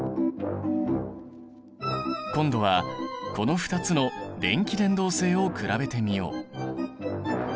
今度はこの２つの電気伝導性を比べてみよう。